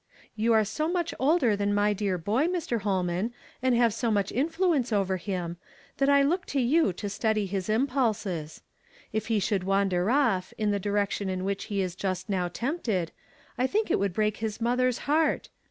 "You are so much older than iny dear boy, Mr. Ilolman, and have so much influence over him, that I look to you to steady his impulses. If he should wander off, in the direction in which he is just now tempted, I think it would break his mother's heart.